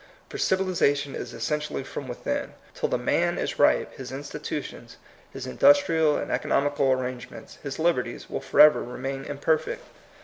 For civilization is essentially from within. Till the man is ripe, his institutions, his industrial and economical arrangements, his liberties, will forever remain imperfect.